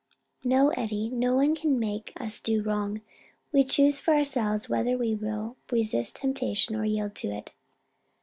"No, Eddie, no one can make us do wrong; we choose for ourselves whether we will resist temptation or yield to it."